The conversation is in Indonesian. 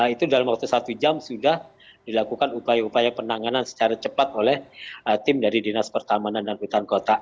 itu dalam waktu satu jam sudah dilakukan upaya upaya penanganan secara cepat oleh tim dari dinas pertamanan dan hutan kota